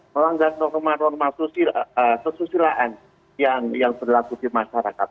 melanggar norma norma kesusilaan yang berlaku di masyarakat